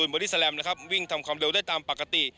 บอดี้แลมนะครับวิ่งทำความเร็วได้ตามปกติ